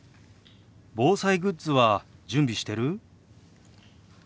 防災グッズは準備してる？